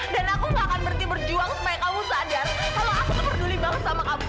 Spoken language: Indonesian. dan aku nggak akan berhenti berjuang supaya kamu sadar kalau aku terperdulih banget sama kamu